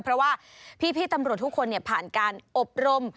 เพราะว่าพี่ตำรวจทุกคนผ่านการอบรม